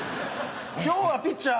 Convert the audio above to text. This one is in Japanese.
今日はピッチャー